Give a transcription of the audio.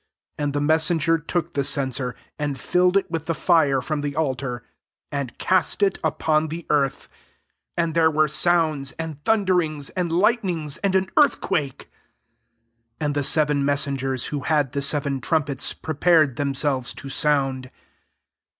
5 And the messenger took the censer, and filled it with the fire from the altar, and cast it upon the earth: and there were sounds, and thunderings, and lightnings, and an earthquake. 6 And the seven messengers who had the seven trumpets, prepared themselves to sound.